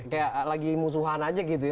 kayak lagi musuhan aja gitu ya